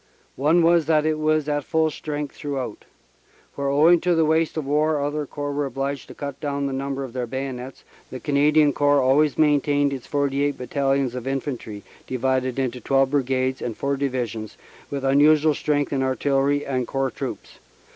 One was that it was at full strength through out. Where owing to the waste of war other Corps were obliged to cut down the number of their bayonets, the Cana dian Corps always maintained its forty eight Battalions of Infantry, divided into twelve Brigades and four Divisions, with unusual strength in Artillery and Corps Troops.